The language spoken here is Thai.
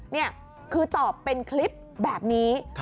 นี่คือตอบเป็นคลิปแบบนี้